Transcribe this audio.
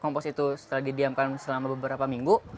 kompos itu setelah didiamkan selama beberapa minggu